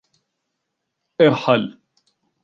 ارحل.